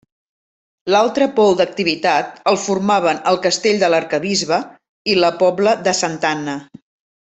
L'altre pol d'activitat el formaven el Castell de l'Arquebisbe i la Pobla de Santa Anna.